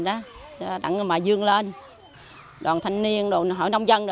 để mà dương lên đoàn thanh niên hộ nông dân